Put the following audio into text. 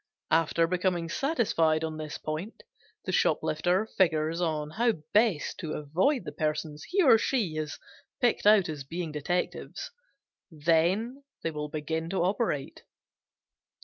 After becoming satisfied on this point the shoplifter figures on how best to avoid the persons he or she have picked out as being detectives, then will begin to operate.